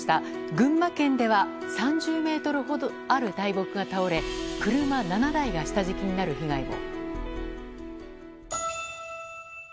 群馬県では３０ｍほどある大木が倒れ車７台が下敷きになる被害も。